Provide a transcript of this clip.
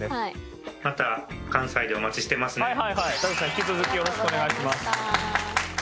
引き続きよろしくお願いします。